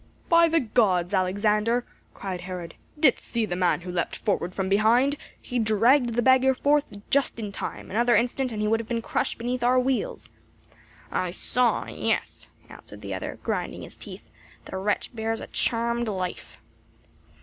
"By the gods, Alexander!" cried Herod. "Didst see the man who leapt forward from behind? He dragged the beggar forth just in time; another instant and he would have been crushed beneath our wheels." "I saw, yes," answered the other, grinding his teeth. "The wretch bears a charmed life."